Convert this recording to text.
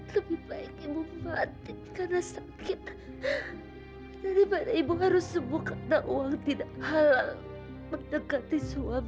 lebih baik ibu batik karena sakit daripada ibu harus sembuh karena uang tidak halal mendekati suap